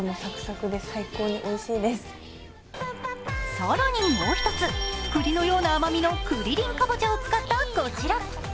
更にもう一つ、栗のような甘みのくりりんかぼちゃを使ったこちら。